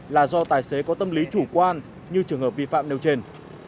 là do tài xế có tâm lý chủ quan như trường hợp vi phạm nêu trên